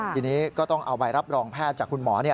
ทีนี้ก็ต้องเอาใบรับรองแพทย์จากคุณหมอ